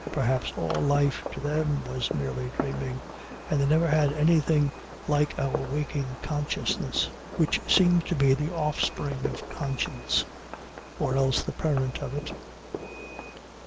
Perhaps all life to them was merely dreaming, and they never had anything like our waking consciousness, which seems to be the offspring of conscience, or else the parent of it.